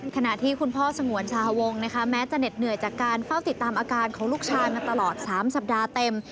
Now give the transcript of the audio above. ขณะที่คุณพ่อสงวนชาวงนะคะแม้จะเหน็ดเหนื่อยจากการเฝ้าติดตามอาการของลูกชายมาตลอด๓สัปดาห์เต็ม